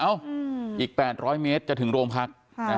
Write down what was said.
อ้าวอีก๘๐๐เมตรจะถึงรมพัก